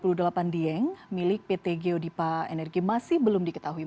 pertama kebocoran gas di sumur welpat dua puluh delapan dieng milik pt geodipa energi masih belum diketahui